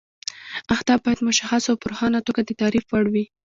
اهداف باید مشخص او په روښانه توګه د تعریف وړ وي.